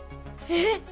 えっ！？